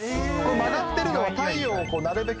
曲がってるのは、太陽をなるべく